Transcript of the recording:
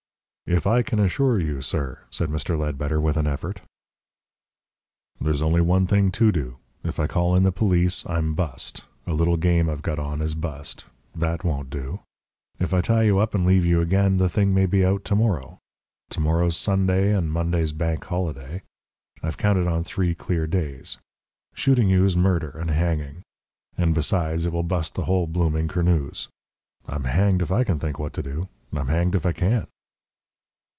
"If I can assure you, sir " said Mr. Ledbetter, with an effort. "There's only one thing to do. If I call in the police, I'm bust a little game I've got on is bust. That won't do. If I tie you up and leave you again, the thing may be out to morrow. Tomorrow's Sunday, and Monday's Bank Holiday I've counted on three clear days. Shooting you's murder and hanging; and besides, it will bust the whole blooming kernooze. I'm hanged if I can think what to do I'm hanged if I can."